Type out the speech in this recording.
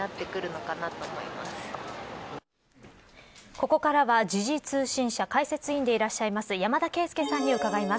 ここからは時事通信社解説委員でいらっしゃいます山田惠資さんに伺います。